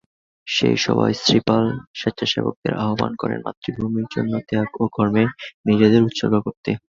সেই সভায় শ্রী পাল স্বেচ্ছাসেবকদের আহবান করেন মাতৃভূমির জন্যে ত্যাগ ও কর্মে নিজেদের উৎসর্গ করতে।